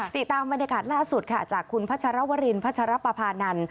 ติดตามบรรยากาศล่าสุดค่ะจากคุณพัชรวรินพัชรปภานันท